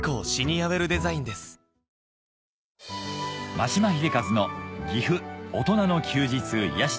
眞島秀和の岐阜大人の休日癒やし